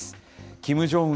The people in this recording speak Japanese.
キム・ジョンウン